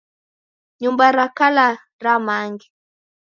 Nyumba ra kala ramange.